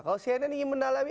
kalau cnn ingin menalami